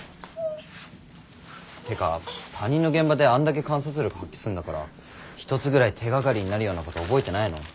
ってか他人の現場であんだけ観察力発揮すんだから一つぐらい手がかりになるようなこと覚えてないの？